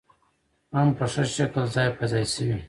هم په ښه شکل ځاى په ځاى شوې